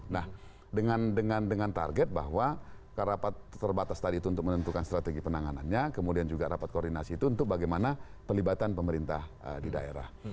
nah dengan target bahwa rapat terbatas tadi itu untuk menentukan strategi penanganannya kemudian juga rapat koordinasi itu untuk bagaimana pelibatan pemerintah di daerah